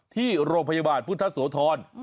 ที่โรงพยาบาลพุทธโสธร